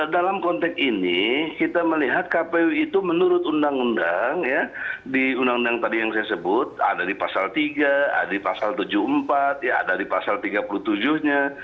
dalam konteks ini kita melihat kpu itu menurut undang undang ya di undang undang tadi yang saya sebut ada di pasal tiga ada di pasal tujuh puluh empat ya ada di pasal tiga puluh tujuh nya